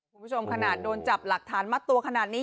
คุณผู้ชมขนาดโดนจับหลักฐานมัดตัวขนาดนี้